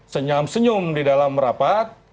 senyam senyum di dalam rapat